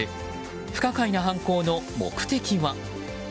不可解な犯行の目的は。